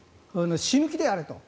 死ぬ気でやれと。